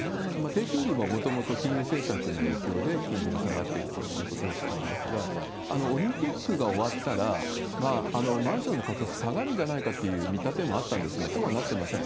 低金利ももともと金融政策の影響で金利が下がっているということだと思いますが、オリンピックが終わったら、マンションの価格下がるんじゃないかっていう見立てもあったんですが、そうはなってません。